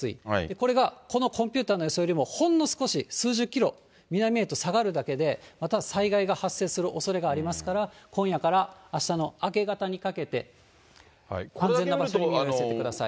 これがこのコンピューターの予想よりも、ほんの少し数十キロ南へと下がるだけで、また災害が発生するおそれがありますから、今夜からあしたの明け方にかけて安全な場所に身を寄せてください。